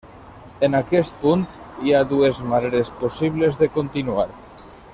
En aquest punt hi ha dues maneres possibles de continuar.